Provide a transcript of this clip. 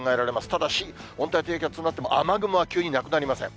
ただし、温帯低気圧になっても、雨雲は急になくなりません。